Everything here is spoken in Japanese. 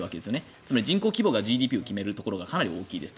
つまり人口規模がＧＤＰを決めるところがかなり大きいですと。